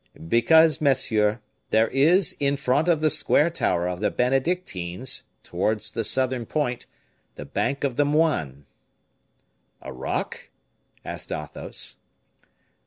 "Because, monsieur, there is in front of the square tower of the Benedictines, towards the southern point, the bank of the Moines." "A rock?" asked Athos.